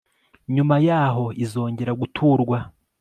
nyuma yaho izongera guturwa